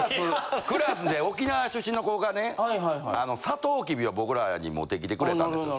クラスで沖縄出身の子がねさとうきびを僕らに持ってきてくれたんですよ。